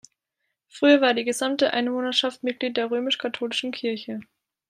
Früher war die gesamte Einwohnerschaft Mitglied der römisch-katholischen Kirche.